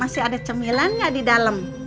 masih ada cemilan nggak di dalam